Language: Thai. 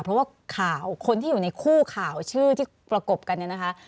เพราะว่าข่าวคนที่อยู่ในคู่ข่าวชื่อที่ประกบกันเนี่ยนะคะ